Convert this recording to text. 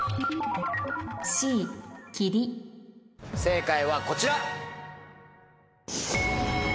正解はこちら。